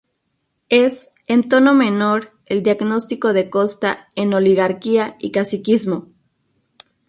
Es, en tono menor, el diagnóstico de Costa en "Oligarquía y caciquismo".